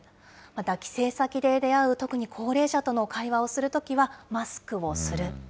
また帰省先で出会う、特に高齢者との会話をするときは、マスクをする。